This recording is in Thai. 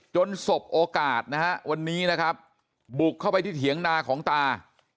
สบโอกาสนะฮะวันนี้นะครับบุกเข้าไปที่เถียงนาของตา